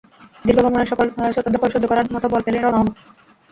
দীর্ঘ ভ্রমণের ধকল সহ্য করার মত বল পেলেই রওনা হব।